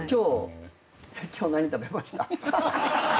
今日何食べました？